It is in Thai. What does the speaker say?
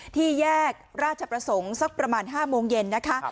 ที่แยกราชประสงค์สักประมาณ๕โมงเย็นนะคะ